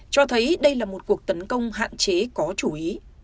cho thấy đây là một cuộc tấn công hạn chế có chú ý